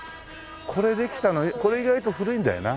これできたのこれ意外と古いんだよな。